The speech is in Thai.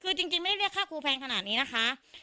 คือจริงไม่ได้เรียกค่าครูแพงขนาดนี้นะคะ